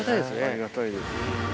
ありがたいです。